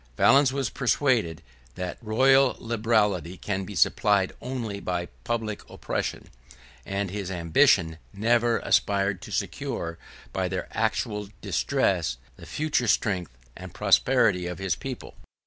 Valens was persuaded, that royal liberality can be supplied only by public oppression, and his ambition never aspired to secure, by their actual distress, the future strength and prosperity of his people.